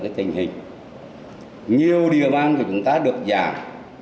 và cái tình hình nhiều địa bàn của chúng ta được giảm